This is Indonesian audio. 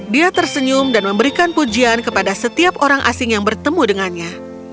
dia tersenyum dan memberikan pujian kepada setiap orang asing yang bertemu dengannya